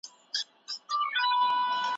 سرمایه داري نظام یوازي د شتمنو په ګټه دی.